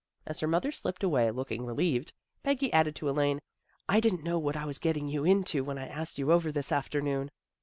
As her mother slipped away, looking relieved, Peggy added to Elaine, " I didn't know what I was getting you into when I asked you over this afternoon."